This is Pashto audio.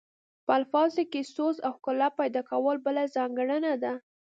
په الفاظو کې سوز او ښکلا پیدا کول بله ځانګړنه ده